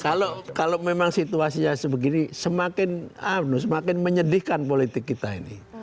kalau memang situasinya sebegini semakin menyedihkan politik kita ini